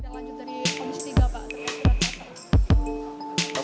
kita lanjut dari komisi tiga pak terima kasih